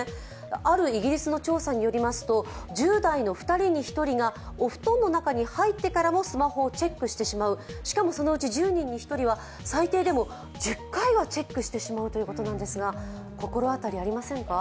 あるイギリスの調査によりますと１０代の２人に１人がお布団の中に入ってからもスマホをチェックしてしまう、しかもそのうち１０人に１人は最低でも１０回はチェックしてしまうということですが心当たりありませんか？